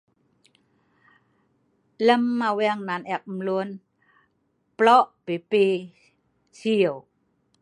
Lem aweng nan eek mluen plooq pi pi sieu